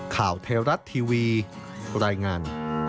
ข่าวไทยรัฐทีวีรายงาน